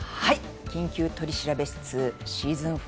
「緊急取調室」シーズン４